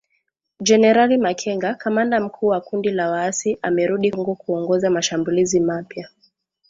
Generali Makenga, kamanda mkuu wa kundi la waasi amerudi Kongo kuongoza mashambulizi mapya